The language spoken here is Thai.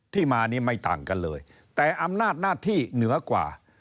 ที่มานี้ไม่ต่างกันเลยแต่อำนาจหน้าที่เหนือกว่า